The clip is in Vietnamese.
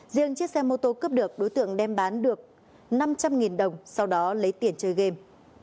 riêng chiếc xe mô tô cướp được đối tượng đem bán được năm trăm linh đồng sau đó lấy tiền chơi game